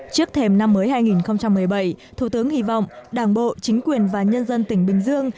trước thềm năm mới hai nghìn một mươi bảy thủ tướng hy vọng đảng bộ chính quyền và nhân dân tỉnh bình dương